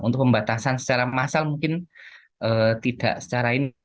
untuk pembatasan secara massal mungkin tidak secara yang terlalu jauh